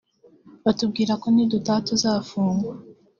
batubwiraga ko nidutaha tuzafungwa